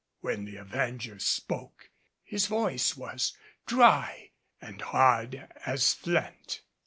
When the Avenger spoke, his voice was dry and hard as flint.